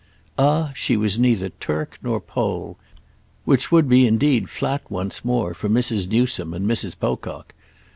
Ah she was neither Turk nor Pole!—which would be indeed flat once more for Mrs. Newsome and Mrs. Pocock.